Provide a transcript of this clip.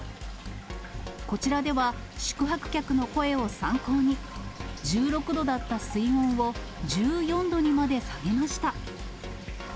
こちらでは、宿泊客の声を参考に、１６度だった水温を１４度にまで下げました。